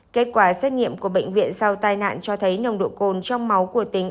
kết quả xét nghiệm của bệnh viện sau tai nạn cho thấy nồng độ cồn trong máu của tính